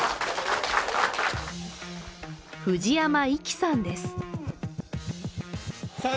藤山粋さんです。